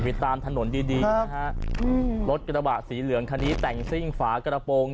ไปตามถนนดีรถกระบะสีเหลืองคันนี้แต่งซิ่งฝากระโปรง